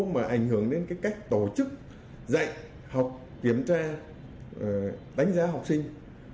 mà ảnh hưởng đến cái cách tổ chức dạy học kiểm tra đánh giá học sinh